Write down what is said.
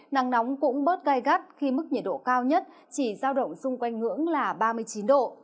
nắng nóng cũng bớt gai gắt khi mức nhiệt độ cao nhất chỉ giao động xung quanh ngưỡng là ba mươi chín độ